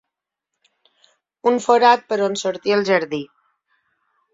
Un forat per on sortir al jardí.